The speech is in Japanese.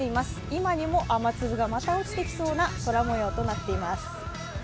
今にも雨粒がまた落ちてきそうな空もようとなっています。